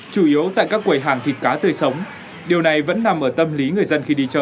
chủ yếu tại các quầy hàng thịt cá tươi sống điều này vẫn nằm ở tâm lý người dân khi đi chợ